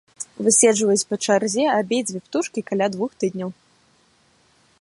Выседжваюць па чарзе абедзве птушкі каля двух тыдняў.